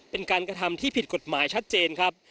เป็นการกระทำที่ผิดกฎหมายชัดเจนครับ